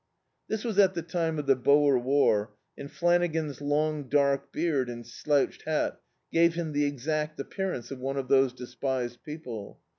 This was at the time of the Boer War and Flana gan's long dark beard and slouched hat gave him the exact appearance of one of those despised people.